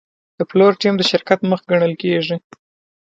د پلور ټیم د شرکت مخ ګڼل کېږي.